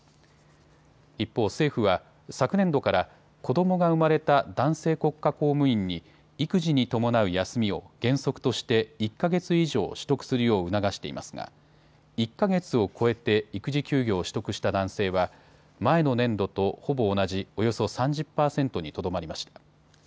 一方、政府は昨年度から子どもが生まれた男性国家公務員に育児に伴う休みを原則として１か月以上取得するよう促していますが１か月を超えて育児休業を取得した男性は前の年度とほぼ同じおよそ３０％にとどまりました。